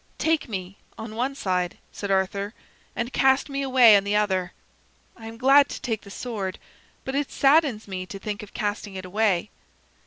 "Take me on one side," said Arthur, "and Cast me away on the other. I am glad to take the sword, but it saddens me to think of casting it away."